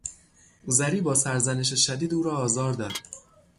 زری با سرزنش شدید او را آزار داد.